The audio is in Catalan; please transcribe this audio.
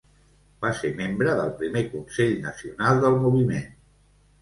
Va ser membre del primer Consell Nacional del Moviment.